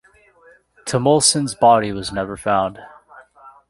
Tumlinson's body was never found.